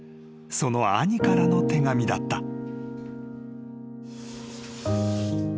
［その兄からの手紙だった］